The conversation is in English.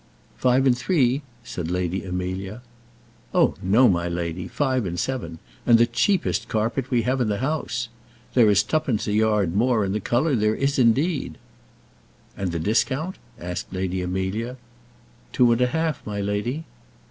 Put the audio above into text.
"Five and three?" said Lady Amelia. "Oh, no, my lady; five and seven; and the cheapest carpet we have in the house. There is twopence a yard more in the colour; there is, indeed." "And the discount?" asked Lady Amelia. "Two and a half, my lady."